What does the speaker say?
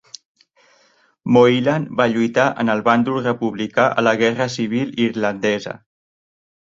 Moylan va lluitar en el bàndol republicà a la guerra civil irlandesa.